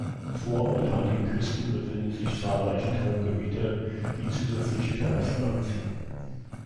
Vor und an den Küsten befinden sich zahlreiche Tauchgebiete, die zusätzliche Touristen anziehen.